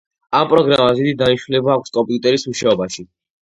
ამ პროგრამას დიდი დანიშნულება აქვს კომპიუტერის მუშაობაში.